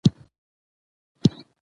په دې ډول کې پر يو کس عريضه کېږي.